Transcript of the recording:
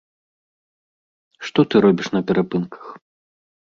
Што ты робіш на перапынках?